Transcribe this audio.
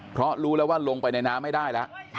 เพราะรู้แล้วว่าลงไปในน้ำไม่ได้แล้ว